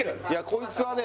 こいつはね